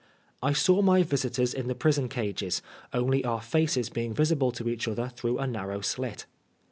I saw my visitors in the prison cages, only our faces being visible to each other through a narrow slit.